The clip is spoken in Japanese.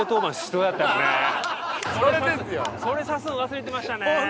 それさすの忘れてましたね。